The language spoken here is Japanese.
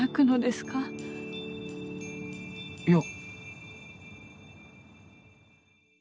いや。